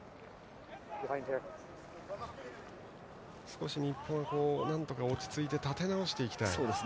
少し日本はなんとか落ち着いて立て直していきたい。